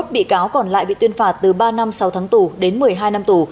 hai mươi một bị cáo còn lại bị tuyên phạt từ ba năm sáu tháng tù đến một mươi hai năm tù